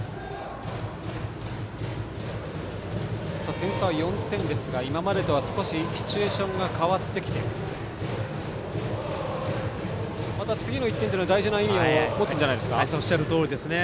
点差は４点ですが今までとは少しシチュエーションが変わってきてまた次の１点は大事な意味をおっしゃるとおりですね。